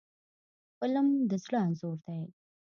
فلم د زړه انځور دی